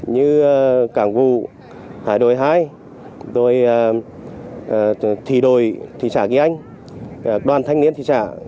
như cảng vụ hải đội hai thị đội thị xã kỳ anh đoàn thanh niên thị xã